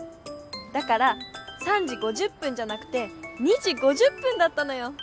だから３じ５０ぷんじゃなくて２じ５０ぷんだったのよ。